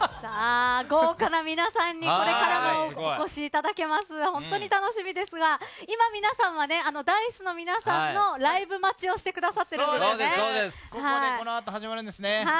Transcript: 豪華な皆さんにこれからもお越しいただけますが本当に楽しみですが今、皆さんはＤａ−ｉＣＥの皆さんのライブ待ちをしてくださっているんです。